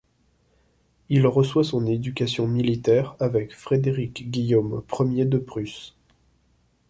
Il reçoit son éducation militaire avec Frédéric-Guillaume Ier de Prusse.